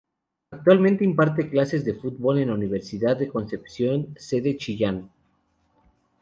Actualmente imparte clases de fútbol en la Universidad de Concepción sede Chillán.